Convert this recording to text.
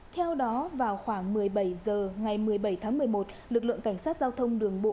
theo đó vào khoảng một mươi bảy h ngày một mươi bảy tháng một mươi một lực lượng cảnh sát giao thông đường bộ